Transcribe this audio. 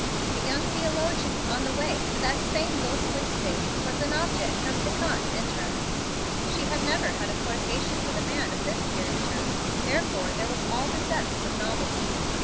A young theologian on the way to that same ghostly state was an object of piquant interest. She had never had a flirtation with a man of this character, therefore there was all the zest of novelty.